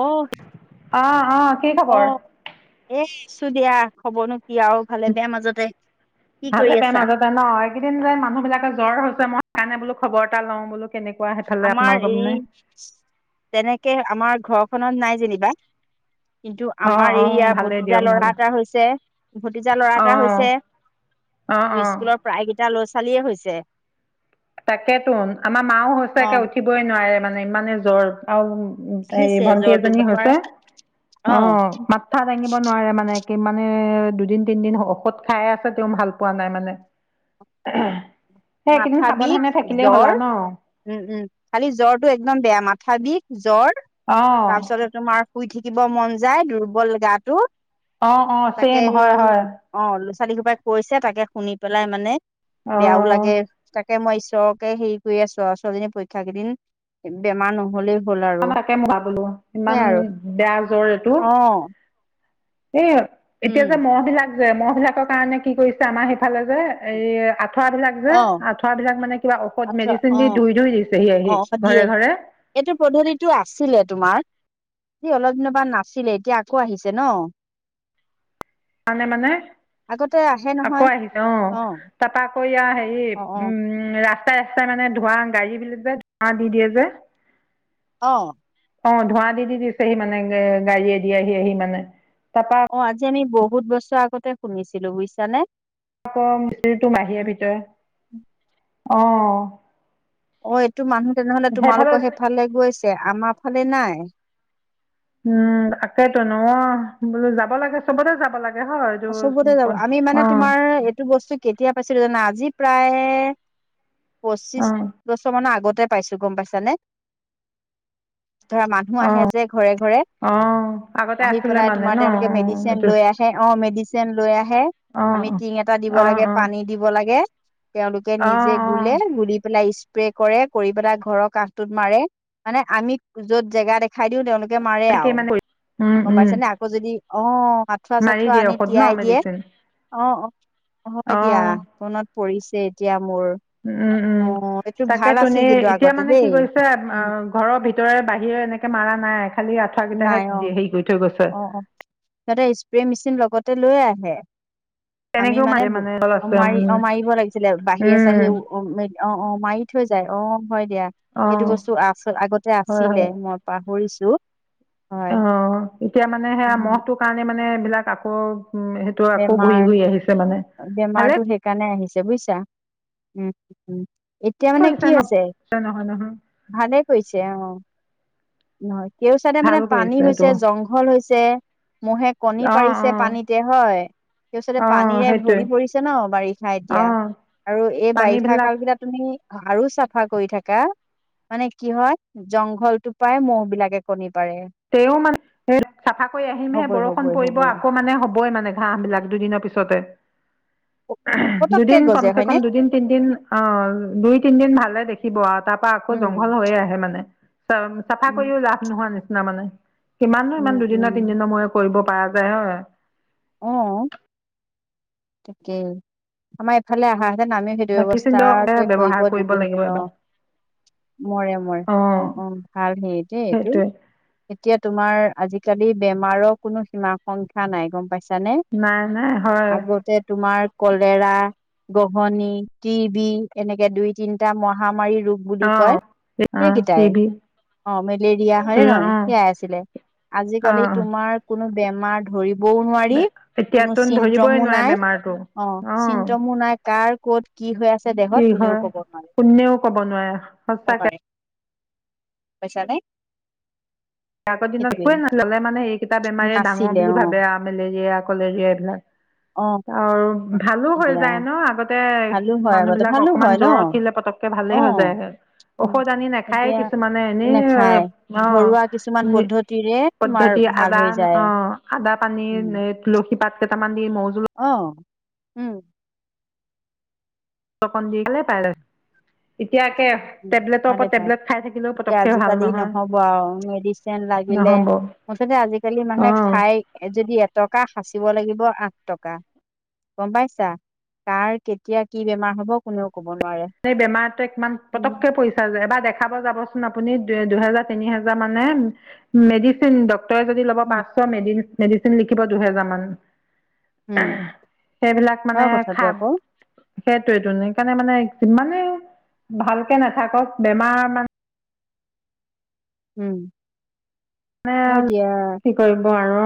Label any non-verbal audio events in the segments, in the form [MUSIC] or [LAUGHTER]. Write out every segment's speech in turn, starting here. অহ অ', কি অ, খবৰ? এ আছো দিয়া খবনো কি আৰু ভালে বেয়া মাজতে। কি কৰি আছা? আছে ন এইকেইদিন যে মানুহ বিলাকে জ্বৰ হৈছে মই সেইকাৰণে বোলো খবৰ এটা লওঁ বোলো। কেনেকুৱা সেইফালে আমাৰ আপোনালোকৰ এই পিনে? তেনেকে আমাৰ ঘৰখনত নাই যেনিবা। কিন্তু অ', আমাৰ এইয়া অ', ভালেই ভতিজা দিয়ক ল'ৰা নহ'লে এটা হৈছে, ভতিজা ল'ৰা এটা অ', হৈছে। অ', তোৰ অ'। স্কুলৰ প্ৰায়কেইটা লৰা ছোৱালীয়ে হৈছে। তাকেতো আমাৰ মাও হৈছে অ একে উঠিবই নোৱাৰে মানে ইমানে জ্বৰ আৰু হে আহিছে ভন্টি জ্বৰটো এজনী তোমাৰ হৈছে অ মাত মাথা দাঙিব নোৱাৰে মানে কি মানে দুদিন তিনদিন ঔষধ খাই আছে তেওঁ ভাল পোৱা নাই মানে। সেই মাথা এইকেইদিন বিষ সাৱধানে থাকিলেই জ্বৰ হল আউ ন। উম উম খালি জ্বৰ টো একদম বেয়া, মাথা বিষ জ্বৰ অ', তাৰপিছত তোমাৰ শুই থাকিব মন যায় দুৰ্বল গাটো। অ', অ', তাকে ছেম সেই হয়, হয়। অ', ল'ৰা ছোৱালী সোপাই কৈছে তাকে শুনি পেলাই মানে বেয়াও লাগে। অ', তাকে মই ঈশ্বৰকে হেৰি কৰি আছো আৰু ছোৱালীজনী পৰীক্ষা কেইদিন বেমাৰ নহলেও তাকে মোলাবোলো ইমান বেয়া জ্বৰ এইটো। অ এই এতিয়া যে উম মহ বিলাক যে মহ বিলাকৰ কাৰণে কি কৰিছে। আমাৰ সেইফালে যে, এই আঁঠুৱা বিলাক যে অ আঁঠুৱা বিলাক মানে, কিবা ঔষধ আচ্ছা মেডিচিন অ দি ধুই ধুই দিছেহি অ আহি দিয়ে ঘৰে ঘৰে। এইটো পদ্ধতিটো আছিলে তোমাৰ, এই অলপ দিনৰ পৰা নাছিলে এতিয়া আকৌ আহিছে ন, মানে মানে আগতে আহে আকৌ নহয় আহিছে অ। তা পা আকৌ ইয়া হেৰি অ অ উম ৰাস্তাই ৰাস্তাই মানে ধোৱা গাড়ীবিলি যে ধোঁৱা দি দিয়ে যে অ', অ', ধোঁৱা দি দি দিছেহি মানে গা গাড়ীয়ে দি আহি আহি মানে তাৰপা অ', আজি আমি বহুত বছৰ আগতে শুনিছিলো বুজিছানে? আকৌ মিস্ত্ৰী তটো মাহি ভিতৰত অ'। অ', এইটো মানুহ তেনেহ'লে তোমালোকৰ সেইফালে গৈছে, আমাৰ ফালে নাই। উম তাকেইতো ন বোলো যাব লাগে চবৰে যাব লাগে হয়। এইটো চবতে যাব আমি অ মানে তোমাৰ এইটো বস্তু কেতিয়া পাইছিলোঁ জানে আজি প্ৰায় অ পঁচিশ বছৰ মানৰ আগতে পাইছোঁ গ'ম পাইছ নে [INAUDIBLE] ধৰা মানুহ অ আহে যে ঘৰে, ঘৰে অ আগতে আহি আছিলে পেলাই মানে তোমাৰ ন অ তেওঁলোকে মেডিচিন এইটো লৈ আহে অ', মেডিচিন লৈ আহে অ আমি টিং এটা দিব অ অ লাগে অ পানী দিব লাগে তেওঁলোকে অ নিজে অ গুলে গুলি পেলাই ই স্প্ৰে কৰে কৰি পেলাই ঘৰৰ কাষটোত মাৰে মানে আমি য'ত জেগা দেখাই দিওঁ তেওঁলোকে মাৰে তাকেই আৰু মানে উম গ'ম উম পাইছে নে আকৌ যদি অ', আঠুৱা মাৰি চাঠুৱ চ দিয়ে আনি ঔষধ ন তিয়াই দিয়ে মেডিচিন অ', অ', হয় অ দিয়া পনত পৰিছে এতিয়া মোৰ। উম, অ উম এইটো তাকে ভাল তোন আছিল কিন্তু এতিয়া আগতে মানে দেই কি কৰিছে উম অ' ঘৰৰ ভিতৰে বাহিৰে এনেকে মাৰা নাই খালি নাই অ আঠুৱােইটাহে হেৰি কৰি থৈ গৈছে অ অ', সিহঁতে স্প্ৰে মেচিন লগতে লৈয়ে আহে। আমি তেনেকেও মানে মাৰে আছে উম মাৰি অ', মাৰিব লাগিছিলে বাহিৰ উম চাহিয়ে ও অ', অ', অ', মাৰি থৈ যায় অ', হয় দিয়া অ সেইটো বস্তু আ আগতে হয় হয় আছিলে মই পাহৰিছোঁ। অ', এতিয়া মানে সেয়া উম মহটো কাৰণে মানে এইবিলাক আকৌ উ বেমাৰ ভালে বেমাৰতটো সেইকাৰণে আহিছে বুজিছা উম, উম। এতিয়া মানে কৰিছে কি ন হৈছে নহয় নহয় ভালে কৰিছে অহ। নহয় কেও চাইডে ভাল মানে পানী কৰিছে এইটো হৈছে জংঘল হৈছে মহে কণী অ অ পাৰিছে পানীতে হয় তেই পিছতে অ পানীৰে সেইটোৱে ভৰি পৰিছে ন বাৰিষা অ এতিয়া আৰু এই পানী বাৰিষা বিলাক কাল কেইটাত তুমি আৰু চাফা কৰি থাকা মানে কি হয় জংঘলটো পায় মহ' বিলাকে কণী পাৰে। তেও মানে চাফা কৰি আহিমহে হ'বই বৰষুণ হ'বই পৰিব হ'বই আকৌ মানে হ'বই মানে ঘাঁহ বিলাক দুদিনৰ পিছতে পতককে দুদিন গজে কমচ কম হয়নে দুদিন তিনদিন অ', দুই তিনদিন ভালে দেখিব আৰু তাৰ পৰাা আকৌ উম জংঘল হৈয়ে আহে মানে। চ চাফা উম কৰিও লাভ নোহোৱা নিচিনা মানে কিমাননো উম ইমান উম দুদিনৰ তিনিদিনৰ মই কৰিব পৰা যায় হয়। অ', তাকে। আমাৰ এইফালে আহাহেঁতেন আমিও সেইটো ভেকচিন ব্যৱস্থে কৰিব ব্যৱহাৰ লাগিব দিলোহেঁতেন অ'। এবাৰ মৰে, মৰে অঁ অ', অ', ভাল হেইট এইটো সেইটোৱে এতিয়া তোমাৰ আজিকালি বেমাৰৰ কোনো সীমা সংখ্যা নাই গ'ম পাইছে। জানে নাই নাই হয় আগতে তোমাৰ কলেৰা গহনি টি বি এনেকে দুই তিনটা মহামাৰী ৰোগ বুলি অঁ কয় অঁ সেইকেইটাই টিভি অ', মেলেৰিয়া হয়নে অঁ নহয় সেয়াই আছিলে আজিকালি অঁ তোমাৰ কোনো বেমাৰ ধৰিবও নোৱাৰি কোনো চিন্ত্ৰমো নাই মো [UNINTELLIGIBLE] অ', চিন্তমো নাই কাৰ ক'ত কি হৈ আছে দেহত কি কোনেও হয় কব নোৱাৰে, কোনেও ক'ব নোৱাৰে কব সঁচাকে নোৱাৰে। পাইছানে? আগৰ দিনত সেইটোৱে একোৱে [UNINTELLIGIBLE] মানে সেইকেইটা বেমাৰে ডাঙৰ নাছিলে বুলি অ ভাবে আও। মেলেৰিয়া কলেৰিয়া এইবিলাক, অ আৰু ভালো হৈ এতিয়া যায় ন আগতে ভালো হয় মানুহ আগতে বিলাক ভালো হয় অকনমান জ্বৰ ন উঠিলে পতককে ভালেই হৈ অ', যায়। উম, ঔষধ আনি নাখায় এতিয়া কিছুমানে এনেই নেখায় অ। ঘৰুৱা কিছুমান নি পদ্ধতিৰে তোমাৰ পদ্ধতি ভাল আদা হৈ যায় অ আদা পানীৰ উম, নে তুলসী পাত কেইটামান দি মৌ জোল অ উম। অকন দি [UNINTELLIGIBLE] এতিয়া একে উ টেবলেটৰ ভালে ওপৰত পায়, টেবলেট খাই থাকিলেও এতিয়া পতককে ভাল আজিকালি নহয় নহব আও মেডিচিন লাগিলে নহ'ব মুঠতে আজিকালি মানুহে অঁ খায় যদি এটকা সাঁচিব লাগিব আঠ টকা। গম পাইছা? কাৰ কেতিয়া কি বেমাৰ হব কোনেও কব নোৱাৰে। স বেমাৰটোৱে কিমান উম, পটককে পৰি এবাৰ দেখাব যাবচোন দুহেজাৰ, তিনিহাজাৰ মানে মেডিচিন, ডক তৰে যদি লব উম, পাঁচ শ, মেডিচিন লিখিব দুহেজাৰ মান। উম, সেইবিলাক হয় মানে কথাটো খাব আকৌ সেইটোৱে টোন সেইকাৰণে মানে কিমানেই ভালকে নাথাকক বেমাৰ মানে উম। [INAUDIBLE] হয় মানে দিয়া কি কৰিব আৰু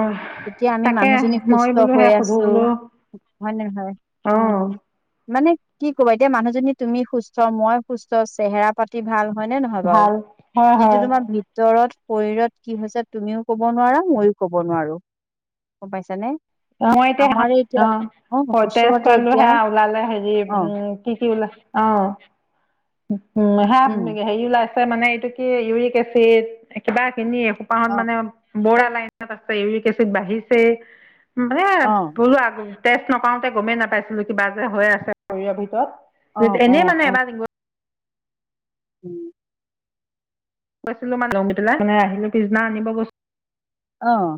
এতিয়া আমি তাকে মই বোলো সেই সুধো বোলো। হয়নে হয় অ উম। মানে কি ক'বা এতিয়া মানুহজনী তুমি সুস্থ মই সুস্থ চেহেৰা পাত ভাল হয় নে নহয় বাৰু? ভাল হয় কিন্তু হয় তোমাৰ ভিতৰত শৰীৰত কি হৈছে তুমিও ক'ব নোৱাৰা মইও ক'ব নোৱাৰো। গম পাইছানে? [UNINTELLIGIBLE] মই আমাৰ এতিয়া অঁ। অ কৰ তেজ ওচৰতে কৰালোঁ এতিয়া হে ওলালে হেৰি অ উম কি কি ওলাল অঁ। উম হেয়াত উম হেৰি ওলাইছে মানে এইটো কি ইউৰিক এচিড কিবা খিনি এসো পাহত অ মানে বৰালাইনত আছে ইউৰিক এচিড বাঢ়িছে। মানে অ [UNINTELLIGIBLE] টেষ্ট্ৰ নকাওঁতে গমেই নাপাইছিলো কিবা যে হৈ আছে শৰীৰৰ ভিতৰত। অ যি অ এনেই মানে অ এবাৰ গৈ উম। [UNINTELLIGIBLE] মানে আহিলো পিছদিনা আনিব গৈ অঁ।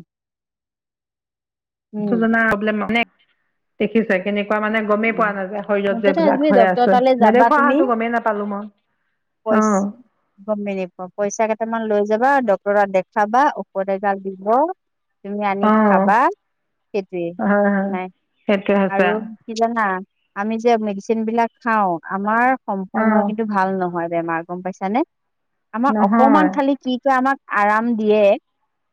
[UNINTELLIGIBLE] দেখিছে কেনেকুৱা মানে গমেই পোৱা উম। নাযায় শৰীৰত যে মুঠতে এইবিলাক আজিকালি হৈ ডক্তৰ আছে, তালৈ যাবা নেদেখোৱা হয়টো গমেই নাপালোঁ মই। বৈ [UNINTELLIGIBLE] অঁ গমেই নাপাওঁ, পইচা কেইটামান লৈ যাবা ডক্তৰক দেখাবা ঔষধ এগাল দিব তুমি আনি অঁ খাবা সেইটোৱে, হয় একো হয় নাই সেইটোৱে হৈছে আৰু কি জানা? আমি যে মেডিচিন বিলাক খাওঁ আমাৰ সম্পূৰ্ণ অঁ কিন্তু ভাল নহয় বেমাৰ, গম পাইছানে? আমাৰ নহয় অকমান খালি কি কয় আমাক আৰাম দিয়ে,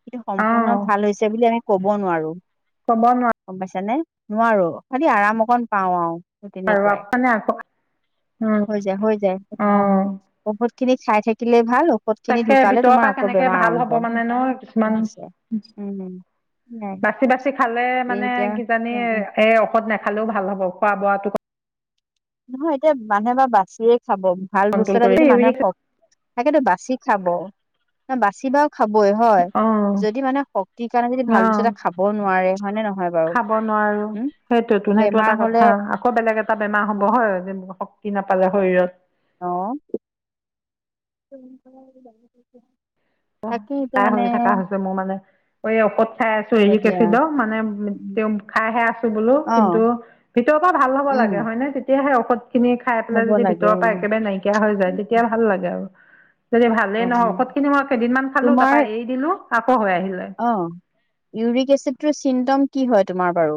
কিন্তু সম্পূৰ্ণ অঁ ভাল হৈছে বুলি আমি ক'ব নোৱাৰো। ক'ব নোৱা গম পাইছা নে? নোৱাৰো খালী আৰাম অকণ পাওঁ আও। নোৱাৰো তেনেকুৱাই আকৌ মানে আকৌ উম হৈ যায় হৈ যায় অ'। ঔষধ খিনি খাই থাকিলে ভাল। ঔষধ খিনি তাকে ঢুকালে ভিতৰৰ তোমাৰ পৰা আকৌ কেনেকে বেমাৰ ভাল আৰম্ভ হ'ব মানে ন কিছুমান হৈছে উম নাই বাছি, বাছি খালে এই মানে এতিয়া কিজানি উ এই ঔষধ নেখালেও ভাল হ'ব খোৱা বোৱাটো। নহয় এতিয়া মানুহে বাচিয়ে খাব ভাল বস্তু কন্ট্ৰল এটা কৰি যদি মানুহে তাকেতো বাছি খাব বাছি বা খাবই হয়, অ যদি মানে শক্তিৰ কাৰণে যদি অ ভাল বস্তু এটা খাব নোৱাৰে হয়নে নহয়। বাৰু খাব নোৱাৰোঁ উম সেইটোতো সেইটো বেমাৰ এটা হলে কথা। আকৌ বেলেগ এটা বেমাৰ অ হ'ব হয় যে শক্তি নাপালে শৰীৰত। অ'। অ', তাকে এতিয়া প্ৰায়ে মানে হৈ থকা হৈছে মোৰ মানে। ঔষধ খাই আছোঁ হয় ইউৰিক দিয়া এছিডৰ মানে উম, তেওঁ খাইহে আছোঁ বোলো অ কিন্তু ভিতৰৰ পৰা ভাল হ'ব উম লাগে হয় নে। তেতিয়া সেই ঔষধ খিনি খাই হ'ব পেলাই যদি লাগে অ ভিতৰৰ পৰা একেবাৰে নাইকিয়া হৈ যায়, উ তেতিয়া ভাল লাগে আৰু। যদি ভালেই নহয় ঔষধ খিনি মই কেইদিনমান খালোঁ তোমাৰ তাৰপৰা এৰি দিলো আকৌ হৈ আহিলে। অ', ইউৰিক এচিডটো চিমটম কি হয় তোমাৰ বাৰু?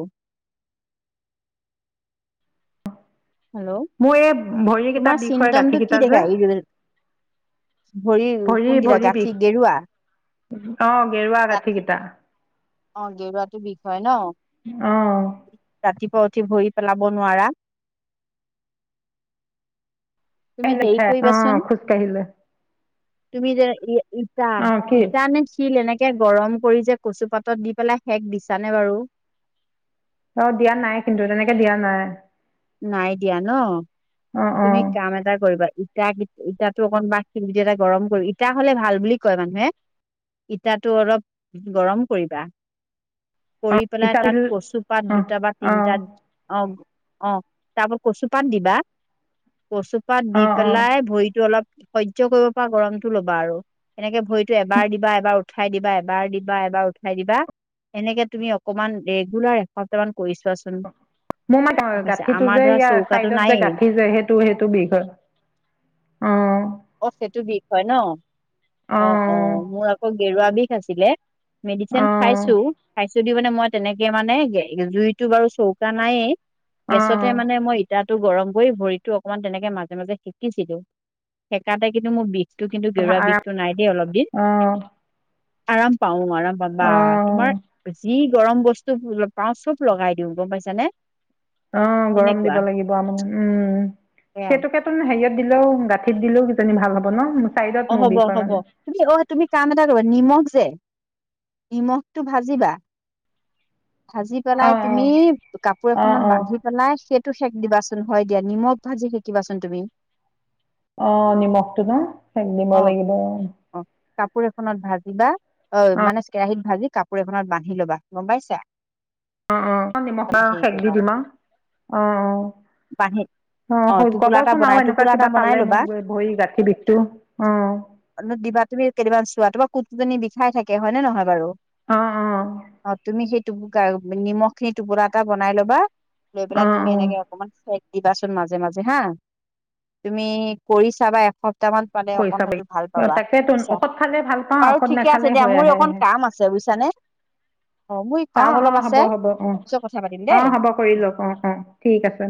হেল্ল' মোৰ এই ভৰিকেইটা তোমাৰ বিষ হয় চিমটমটো গাঁঠিকেইটা কি যে দেখাই ইউৰিক এচিডত? ভৰি কোনকেইটা গাঁঠি গেৰুৱা? অ', গেৰুৱা গাঁঠি গাঠিকেইটা। অ', গেৰুৱাটো বিষ হয় ন অঁ ৰাতিপুৱা উঠি ভৰি পেলাব নোৱাৰা। তুমি হেৰি লিখাই অঁ কৰিবাচোন। খোজকাঢ়িলে তুমি যে ইটা, অঁ কি ইটা নে শিল এনেকে গৰম কৰি যে কচুপাত তত দি পেলাই শেক দিছানে বাৰু? অ', দিয়া নাই কিন্তু তেনেকে দিয়া নাই। নাই দিয়া ন, অঁ তুমি অঁ কাম এটা কৰিবা ইটা কিত ইতাতো অকনমান শিলগুটি এটা গৰম কৰি ইটা হ'লে ভাল বুলি কয় মানুহে। ইটাটো অলপ গৰম কৰিবা। অ কৰি পেলাই ইটাবিল তাত কচুপাত অ দুটা বা অ তিনটাত অ'। অ', তাৰ ওপৰত কচুপাত দিবা, কচুপাত দি অ অ পেলাই ভৰিতটো অলপ সহ্য কৰিব পৰা গৰমতটো ল'বা আৰু। এনেকে ভৰিতটো এবাৰ দিবা, এবাৰ উঠাই দিবা এবাৰ দিবা, এবাৰ উঠাই দিবা। এনেকে তুমি অকমান ৰেগুলাৰ এসপ্তাহ মান কৰি চোৱাচোন? মোৰ মানে হৈছে গাঁঠিটো আমাৰ যে ধৰা ইয়াৰ চৌকাটো চাইডত যে নায়েই গাঁঠি যে সেই টো সেইটো বিষ হয় অ'। অ', সেইটো বিষ হয় ন অ', অ'মোৰ আকৌ গেৰুৱা বিষ আছিলে। মেডিচিন অ খাইছোঁ, খাইছোঁ দি মানে মই তেনেকে মানে জুইতটো বাৰু চৌকা নাইয়েই। অ অ গেছতে মানে মই ইটাটো গৰম কৰি ভৰিটো অকনমান তেনেকে মাজে, মাজে সেকিছিলোঁ। সেকাতে কিন্তু মোৰ বিষটো কিন্তু গেৰুৱা আৰাম বিষটো নাই দেই অলপ দিন। অ আৰাম পাওঁ আৰাম পাম বা অ তোমাৰ যি গৰম বস্তু পাওঁ চব লগাই দিওঁ গম পাইছ নে। অ', গৰম দিব লাগিব উম, সেইটোকে ও হেৰিয়াত দিলেওঁ গাঁঠিত দিলেওঁ কিজানি ভাল হব ন? চাইডত অ', মোৰ হ'ব, বিষ হয় হ'ব মানে তুমি অ', তুমি কাম এটা কৰিবা নিমখ যে নিমখটো ভাজিবা। ভাজি অ পেলাই তুমি কাপোৰ অ অ এখনত অ বান্ধি পেলাই সেইটো শেক দিবাচোন হয় দিয়া নিমখ ভাজি শেকিবাচোন তুমি অ নিমখটো ন সেক দিব লাগিব অ অ কাপোৰ এখনত ভাজিবা অ মানে কেৰাহীত ভাজি কাপোৰ এখনত বান্ধি লবা গম পাইছা অ অ নিমখ হেৰি সেক দি কৰিবা দিম আও অ অ বাঁহীত অ কবচোন আৰু এনেকুৱা কিবা বনাই পালে ল'বা মোক ভৰি গাঁঠীৰ বিষটো অ দিবা তুমি কেইদিনমান চোৱা তোমাৰ কুতজনী বিষাই থাকে হয় নে নহয় বাৰু অ অ অ তুমি সেই টোপু গা নিমখখিনি টোপোৰা এটা বনাই ল'বা লৈ অ পেলাই তুমি অ এনেকে অকমান হেক দিবাচোন মাজে মাজে হা তুমি কৰি চাবা এসপ্তাহ মান পালে কৰি অকণ চাব হয়তো ভাল পাবা তাকেতো বুজছা ঔষধ খালে ভাল পাওঁ বাৰু ঔষধ ঠিকে আছে নাখালে দিয়া হৈ মোৰ আহে অকন কাম আছে বুইছা নে [INAUDIBLE] অ মোই অ কাম অ অলপ হ'ব আছে হ'ব অ পিছত কথা পাতিম দেই। হ'ব অ কৰি লক অ অ ঠিক আছে।